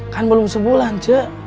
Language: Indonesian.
kan belum sebulan cik